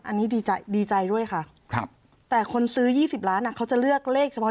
อันนี้ดีใจด้วยค่ะแต่คนซื้อ๒๐ล้านเขาจะเลือกเลขเฉพาะ